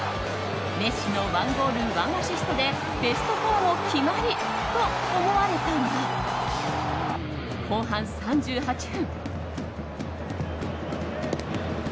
メッシの１ゴール１アシストでベスト４も決まりと思われたが後半３８分。